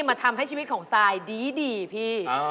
มาทำให้ชีวิตของซายดีพี่